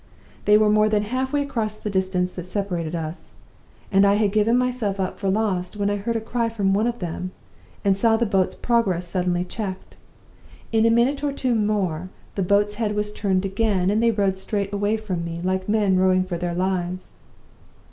"They were more than half way across the distance that separated us, and I had given myself up for lost, when I heard a cry from one of them, and saw the boat's progress suddenly checked. In a minute or two more the boat's head was turned again; and they rowed straight away from me like men rowing for their lives.